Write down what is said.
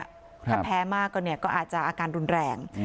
ถ้าแพ้มากก็เนี่ยก็อาจจะอาการรุนแรง